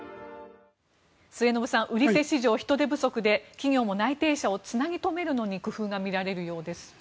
末延さん、売り手市場人手不足で企業も内定者をつなぎ留めるのに工夫が見られるようです。